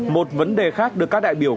một vấn đề khác được các đại biểu khám